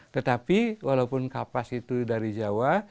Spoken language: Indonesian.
tetapi walaupun kapas itu dari jawa